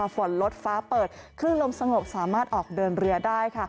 ฝนลดฟ้าเปิดคลื่นลมสงบสามารถออกเดินเรือได้